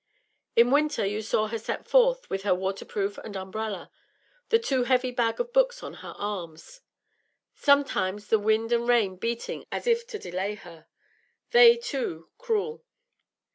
In winter you saw her set forth with her waterproof and umbrella, the too heavy bag of books on her arm; sometimes the wind and rain beating as if to delay her they, too, cruel.